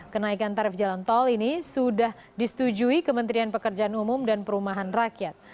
kenaikan tarif jalan tol ini sudah disetujui kementerian pekerjaan umum dan perumahan rakyat